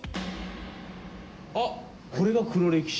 あっこれが黒歴史。